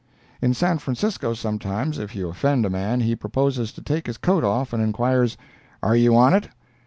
In San Francisco sometimes, if you offend a man, he proposes to take his coat off, and inquires, "Are you on it?"